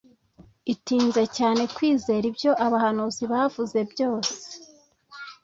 itinze cyane kwizera ibyo abahanuzi bavuze byose